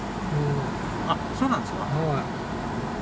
あそうなんですか。